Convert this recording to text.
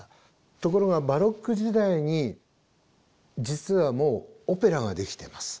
ところがバロック時代に実はもうオペラができてます。